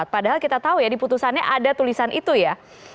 padahal kita tahu ya di putusannya ada tulisan itu ya